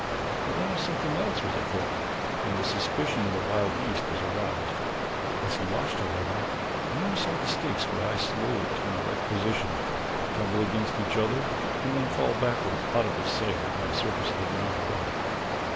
But now something else was afoot and the suspicion of the wild beast was aroused. As he watched, however, Numa saw the stakes rise slowly to an erect position, tumble against each other and then fall backwards out of his sight upon the surface of the ground above.